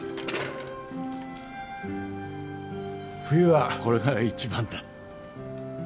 冬はこれが一番だ。